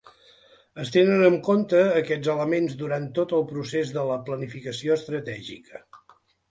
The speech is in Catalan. Es tenen en compte aquests elements durant tot el procés de la planificació estratègica.